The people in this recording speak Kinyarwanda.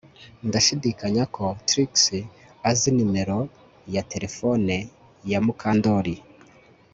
Ndashidikanya ko Trix azi numero ya terefone ya Mukandoli